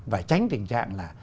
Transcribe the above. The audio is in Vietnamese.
và tránh tình trạng là